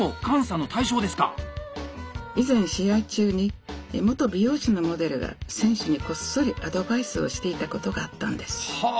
以前試合中に元美容師のモデルが選手にこっそりアドバイスをしていたことがあったんです。はあ！